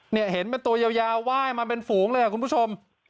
เนี่ยเห็นเป็นตัวยาวยาวว่ายมาเป็นฝูงเลยอ่ะคุณผู้ชม